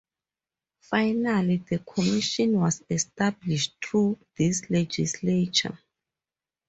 Finally, the Commission was established through this legislature.